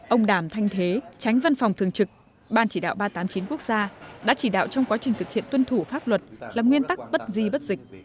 ông đàm thanh thế tránh văn phòng thường trực ban chỉ đạo ba trăm tám mươi chín quốc gia đã chỉ đạo trong quá trình thực hiện tuân thủ pháp luật là nguyên tắc bất di bất dịch